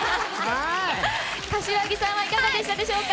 柏木さんはいかがでしたでしょうか。